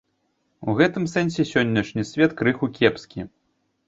У гэтым сэнсе сённяшні свет крыху кепскі.